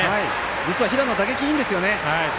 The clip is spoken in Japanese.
実は平野は打撃がいいんですよね。